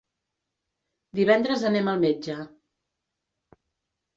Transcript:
Divendres anem al metge.